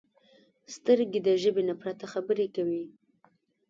سترګې د ژبې نه پرته خبرې کوي